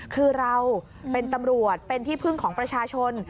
คือเราเป็นตำรวจเป็นที่พึ่งของประชาชน